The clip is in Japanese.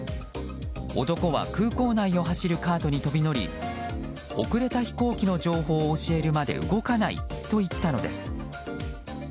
男は空港内を走るカートに飛び乗り遅れた飛行機の情報を教えるまで動かないと言ったのです。